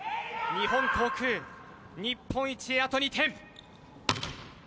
日本航空、日本一へあと２点。